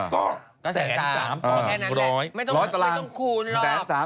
แค่นั้นเลยไม่ต้องคูณหรอก